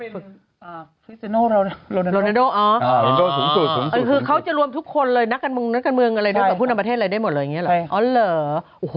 ฟิสเจโนโลเนโนอ๋อฟิสเจโนโลสูงสุดคือเขาจะรวมทุกคนเลยนักการเมืองอะไรด้วยกับผู้นำประเทศอะไรได้หมดเลยอย่างนี้หรอ